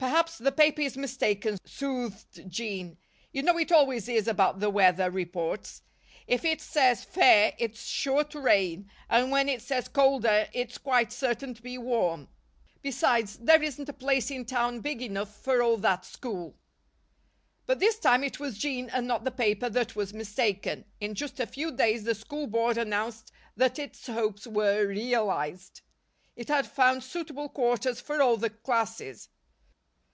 "Perhaps the paper is mistaken," soothed Jean. "You know it always is about the weather reports. If it says 'Fair,' it's sure to rain; and when it says 'Colder,' it's quite certain to be warm. Besides, there isn't a place in town big enough for all that school." But this time it was Jean and not the paper that was mistaken. In just a few days the School Board announced that its hopes were realized. It had found "suitable quarters" for all the classes.